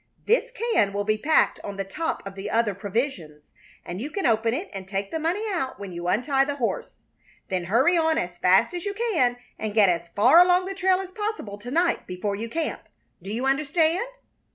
"This can will be packed on the top of the other provisions, and you can open it and take the money out when you untie the horse. Then hurry on as fast as you can and get as far along the trail as possible to night before you camp. Do you understand?"